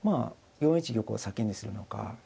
４一玉を先にするのか。